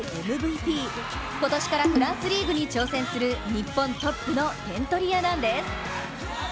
ＶリーグＭＶＰ、今年からフランスリーグに挑戦する日本トップの点取り屋なんです。